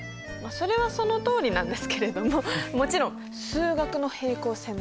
それはそのとおりなんですけれどももちろん数学の平行線の話です。